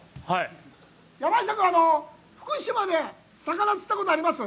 山下君、福島で魚を釣ったことあります？